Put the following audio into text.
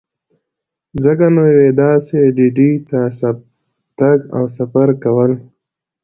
ځکه نو یوې داسې ډډې ته تګ او سفر کول.